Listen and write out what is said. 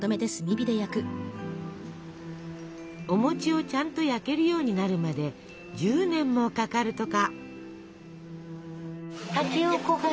お餅をちゃんと焼けるようになるまで１０年もかかるとか。